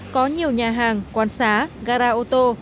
có nhiều nhà hàng quán xá gara ô tô